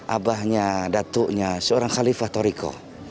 abahnya datuknya seorang khalifah toriko